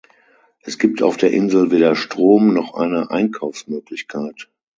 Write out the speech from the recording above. Es gibt auf der Insel weder Strom, noch eine Einkaufsmöglichkeit.